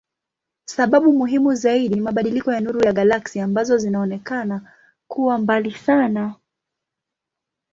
Sababu muhimu zaidi ni mabadiliko ya nuru ya galaksi ambazo zinaonekana kuwa mbali sana.